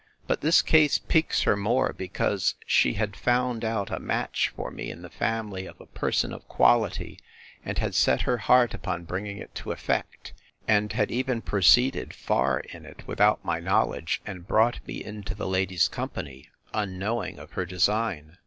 But this case piques her more, because she had found out a match for me in the family of a person of quality, and had set her heart upon bringing it to effect, and had even proceeded far in it, without my knowledge, and brought me into the lady's company, unknowing of her design.